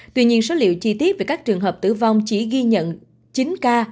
tuy nhiên số liệu chi tiết về các trường hợp tử vong chỉ ghi nhận chín ca